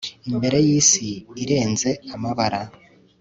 Imbere yisi irenze amabara